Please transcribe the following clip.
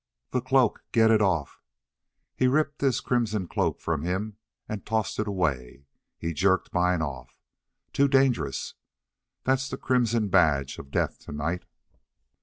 "That cloak, get it off!" He ripped his crimson cloak from him and tossed it away. He jerked mine off. "Too dangerous! That's the crimson badge of death to night."